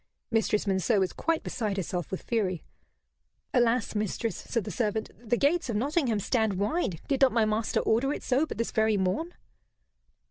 Mistress Monceux was quite beside herself with fury. "Alas, mistress," said the servant, "the gates of Nottingham stand wide; did not my master order it so but this very morn?"